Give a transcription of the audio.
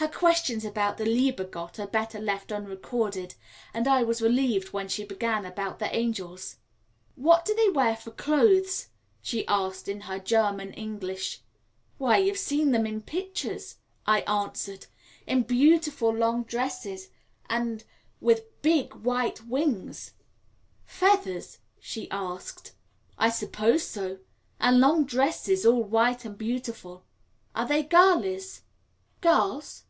Her questions about the lieber Gott are better left unrecorded, and I was relieved when she began about the angels. "What do they wear for clothes?" she asked in her German English. "Why, you've seen them in pictures," I answered, "in beautiful, long dresses, and with big, white wings." "Feathers?" she asked. "I suppose so, and long dresses, all white and beautiful." "Are they girlies?" "Girls?